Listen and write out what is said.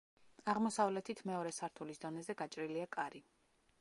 აღმოსავლეთით მეორე სართულის დონეზე გაჭრილია კარი.